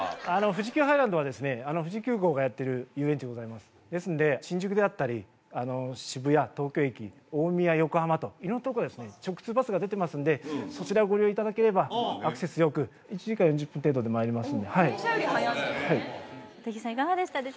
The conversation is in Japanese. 富士急行がやってる遊園地ですですので新宿であったり渋谷東京駅大宮横浜と色んなとこから直通バスが出てますのでそちらをご利用いただければアクセスよく１時間４０分程度でまいります電車より早いんですね